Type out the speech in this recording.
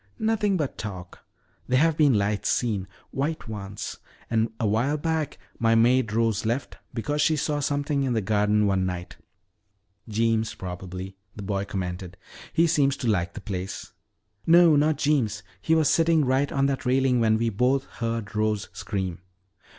"Nothing but talk. There have been lights seen, white ones. And a while back my maid Rose left because she saw something in the garden one night." "Jeems, probably," the boy commented. "He seems to like the place." "No, not Jeems. He was sitting right on that railing when we both heard Rose scream."